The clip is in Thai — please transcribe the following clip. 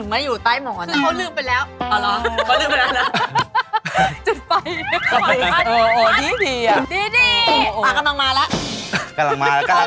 ไม่ก็คือตอนทำไมมันหนึ่งมาอยู่ใต้หมอน